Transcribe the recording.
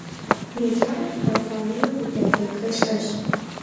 Ди еджапӀэм спортзал инрэ библиотекэрэ щыӀэщ.